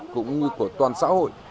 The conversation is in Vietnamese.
cũng như của toàn xã hội